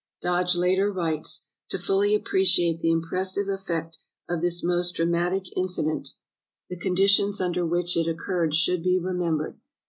Dodge later writes; "To fully appreciate the impres sive effect of this most dramatic incident, the condi 384 True Tales of Arctic Heroism tions under which it occurred should be remembered.